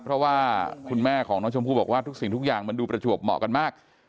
เพราะว่าคุณแม่ของน้องชมพู่บอกว่าทุกสิ่งทุกอย่างมันดูประจวบเหมาะกันมาก